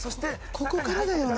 ここからだよね。